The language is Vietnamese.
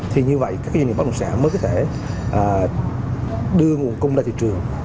thì như vậy các doanh nghiệp bất động sản mới có thể đưa nguồn cung ra thị trường